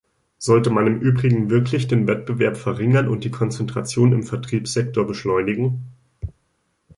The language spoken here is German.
Sollte man im Übrigen wirklich den Wettbewerb verringern und die Konzentration im Vertriebssektor beschleunigen?